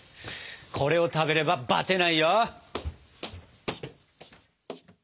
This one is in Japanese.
これを食べればバテないよ！